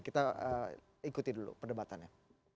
kita ikuti dulu perdebatannya